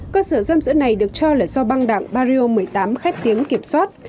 cơ sở giam giữ này được cho là do băng đạn barrio một mươi tám khép tiếng kiểm soát